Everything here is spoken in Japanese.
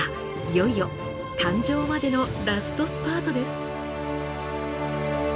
いよいよ誕生までのラストスパートです。